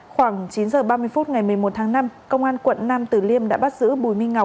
khoảng chín h ba mươi phút ngày một mươi một tháng năm công an quận nam tử liêm đã bắt giữ bùi minh ngọc